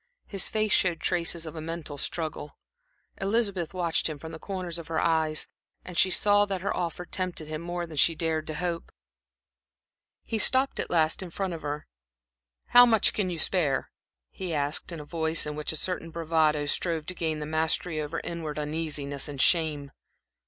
His face showed traces of a mental struggle. Elizabeth watched him from the corners of her eyes; she saw that her offer tempted him more than she had dared to hope. He stopped at last in front of her. "How much can you spare?" he asked, in a voice in which a certain bravado strove to gain the mastery over inward uneasiness and shame.